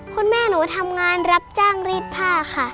คุณแม่หนูทำงานรับจ้างรีดผ้าค่ะ